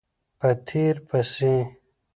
په تېر پسې